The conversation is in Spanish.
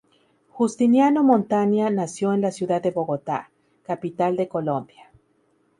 Justiniano Montaña nació en la ciudad de Bogotá, capital de Colombia.